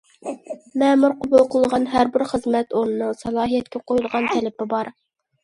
مەمۇر قوبۇل قىلىدىغان ھەر بىر خىزمەت ئورنىنىڭ سالاھىيەتكە قويىدىغان تەلىپى بار.